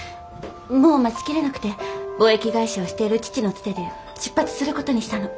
もう待ちきれなくて貿易会社をしている父のつてで出発する事にしたの。